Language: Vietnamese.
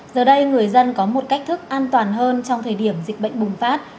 giờ đây người dân có một cách thức an toàn hơn trong thời điểm dịch bệnh bùng phát